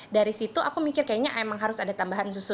dari situ aku mikir kayaknya emang harus ada tambahan susu